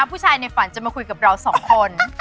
ผู้ชายในฝันจะมาคุยกับเราสองคน